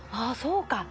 あそうか。